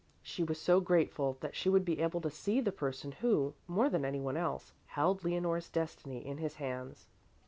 She was so grateful that she would be able to see the person who, more than anyone else, held Leonore's destiny in his hands.